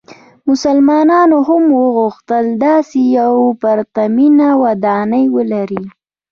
مسلمانانو هم وغوښتل داسې یوه پرتمینه ودانۍ ولري.